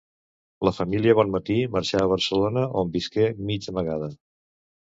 La família Bonmatí marxà a Barcelona, on visqué mig amagada.